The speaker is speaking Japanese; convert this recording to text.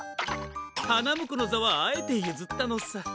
はなむこのざはあえてゆずったのさ。